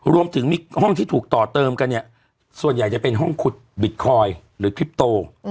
รวมถึงมีห้องที่ถูกต่อเติมกันเนี่ยส่วนใหญ่จะเป็นห้องขุดบิตคอยน์หรือคลิปโต